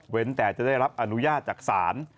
แต่จะได้รับอนุญาตจากศาล